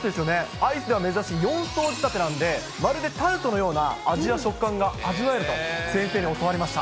アイスでは珍しい４層仕立てなんで、まるでタルトのような味や食感が味わえると、先生に教わりました。